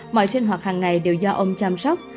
mọi sinh hoạt hàng ngày đều do ông chăm sóc